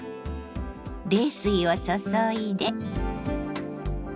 冷水を注いで。